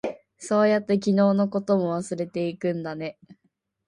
そうやって、昨日のことも忘れていくんだね。